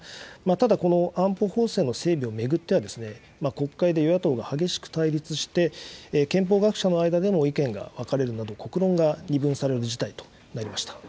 ただこの安保法制の整備を巡ってはですね、国会で与野党が激しく対立して、憲法学者の間でも意見が分かれるなど、国論が二分される事態となりました。